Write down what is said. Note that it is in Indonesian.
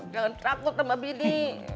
jangan terlalu sama bini